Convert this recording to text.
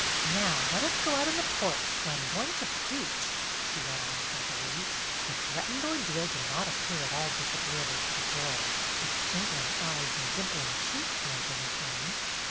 "Now let us go out on the porch, for I'm going to preach," she went on happily. The threatened ordeal did not appear at all disagreeable to the girls, if twinkling eyes and dimpling cheeks meant anything.